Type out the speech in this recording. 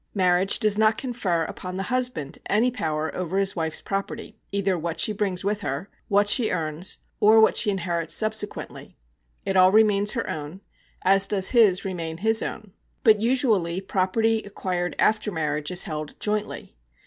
Marriage does not confer upon the husband any power over his wife's property, either what she brings with her, what she earns, or what she inherits subsequently; it all remains her own, as does his remain his own. But usually property acquired after marriage is held jointly.